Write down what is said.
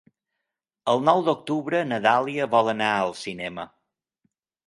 El nou d'octubre na Dàlia vol anar al cinema.